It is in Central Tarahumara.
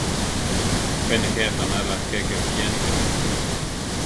Pe nejé aʼtanála keke bikiánika.